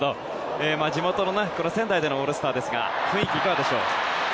地元・仙台でのオールスターですが雰囲気はいかがでしょう。